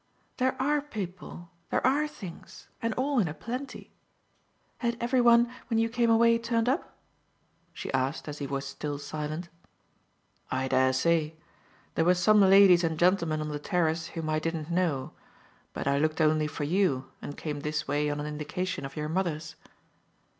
"There ARE people, there ARE things, and all in a plenty. Had every one, when you came away, turned up?" she asked as he was still silent. "I dare say. There were some ladies and gentlemen on the terrace whom I didn't know. But I looked only for you and came this way on an indication of your mother's."